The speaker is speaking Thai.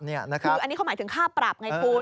คืออันนี้เขาหมายถึงค่าปรับไงคุณ